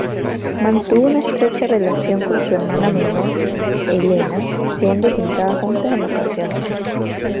Mantuvo una estrecha relación con su hermana menor, Elena, siendo pintadas juntas en ocasiones.